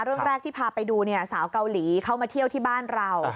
เรื่องแรกที่พาไปดูเนี่ยสาวเกาหลีเข้ามาเที่ยวที่บ้านเรา